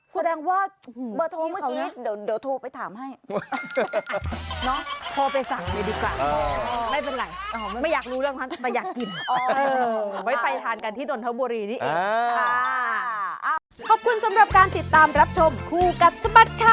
แสดงว่าเบอร์โทรเมื่อกี้เดี๋ยวโทรไปถามให้ดีกว่า